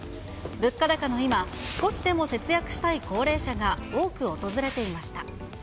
物価高の今、少しでも節約したい高齢者が多く訪れていました。